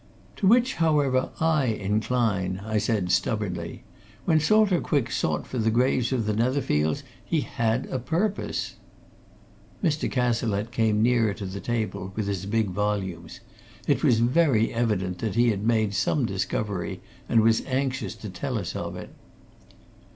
"To which, however, I incline," I said stubbornly. "When Salter Quick sought for the graves of the Netherfields, he had a purpose." Mr. Cazalette came nearer the table with his big volumes. It was very evident that he had made some discovery and was anxious to tell us of it.